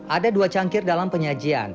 ada dua cangkir dalam penyajian